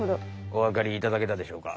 おわかりいただけたでしょうか。